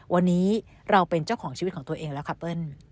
วันนี้เราเป็นเจ้าของชีวิตของตัวเองแล้วค่ะเปิ้ล